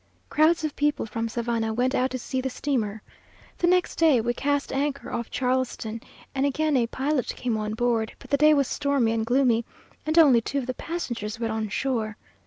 Crowds of people from Savannah went out to see the steamer. The next day we cast anchor off Charleston, and again a pilot came on board; but the day was stormy and gloomy, and only two of the passengers went on shore.